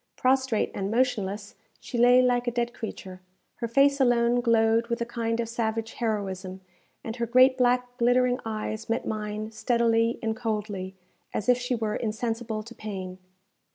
Prostrate and motionless, she lay like a dead creature. Her face alone glowed with a kind of savage heroism, and her great black glittering eyes met mine steadily and coldly, as if she were insensible to pain.